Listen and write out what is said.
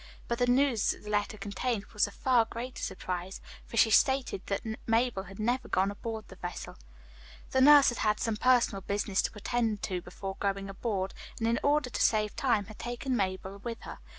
But the news the letter contained was a far greater surprise, for she stated that Mabel had never gone aboard the vessel. "The nurse had had some personal business to attend to before going aboard, and in order to save time had taken Mabel with her.